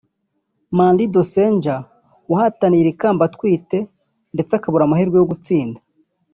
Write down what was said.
Mandy De Saegher wahataniye iri kamba atwite ndetse akabura amahirwe yo gutsinda